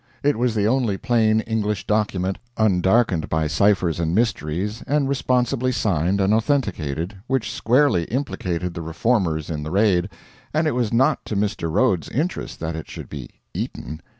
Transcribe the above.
It was the only plain English document, undarkened by ciphers and mysteries, and responsibly signed and authenticated, which squarely implicated the Reformers in the raid, and it was not to Mr. Rhodes's interest that it should be eaten.